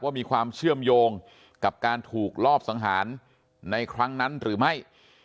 ว่ามีความเชื่อมโยงกับการถูกลอบสังหารในครั้งนั้นหรือไม่